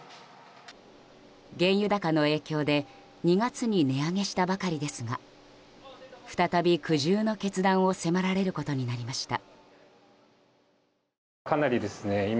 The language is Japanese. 原油高の影響で２月に値上げしたばかりですが再び、苦渋の決断を迫られることになりました。